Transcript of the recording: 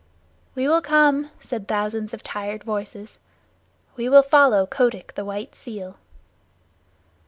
"We will come," said thousands of tired voices. "We will follow Kotick, the White Seal."